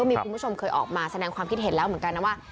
มีคุณผู้ชมเคยออกมาแสดงความคิดเห็นแล้วเหมือนกันนะว่า